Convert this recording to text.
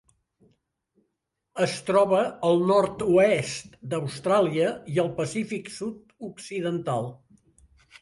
Es troba al nord-oest d'Austràlia i el Pacífic sud-occidental.